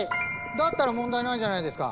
だったら問題ないじゃないですか。